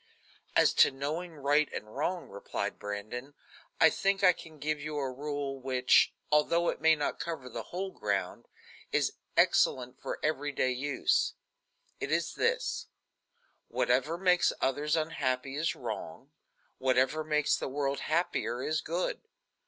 "As to knowing right and wrong," replied Brandon, "I think I can give you a rule which, although it may not cover the whole ground, is excellent for every day use. It is this: Whatever makes others unhappy is wrong; whatever makes the world happier is good.